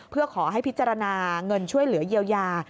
เพื่อขอให้พิจารณาเงินช่วยเหลือเยียวยา